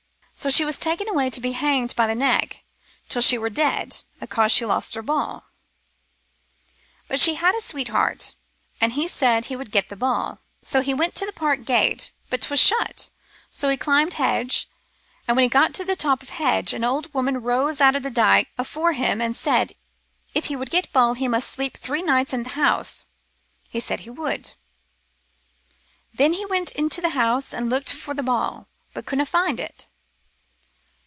" So she was taken away to be hanged by t' neck till she were dead, acause she'd lost her ball. [" But she had a sweetheart, and he said he would get the ball. So he went to t' park gate, but 'twas shut ; so he climbed hedge, and when he got to t' top of hedge, an old woman rose up out o' t' dyke afore him, and said, if he would get ball, he must sleep three nights i' t' house. He said he would. " Then he went into t' house, and looked for t' ball, but couldna find it.